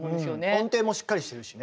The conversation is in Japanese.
音程もしっかりしてるしね。